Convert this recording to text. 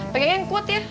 pegangin kuat ya